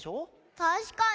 たしかに。